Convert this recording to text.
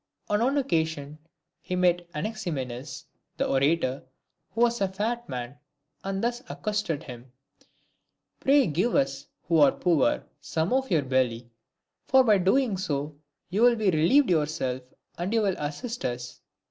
On one occasion, he met Anaxirnenes, the orator, who was a fat man, and thus accosted him ;" Pray give us, who are poor, some of your belly ; for by so doing you will be relieved yourself, and you will assist us."